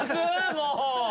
もう！